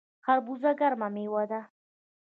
خربوزه ګرمه میوه ده